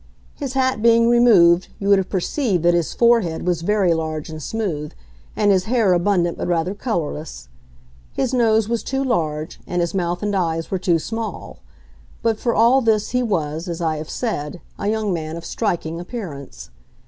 His hat being removed, you would have perceived that his forehead was very large and smooth, and his hair abundant but rather colorless. His nose was too large, and his mouth and eyes were too small; but for all this he was, as I have said, a young man of striking appearance.